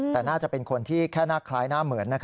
แต่น่าจะเป็นคนที่แค่หน้าคล้ายหน้าเหมือน